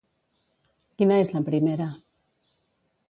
Quina és la primera?